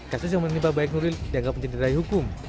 kasus yang menimpa baik nuril dianggap mencederai hukum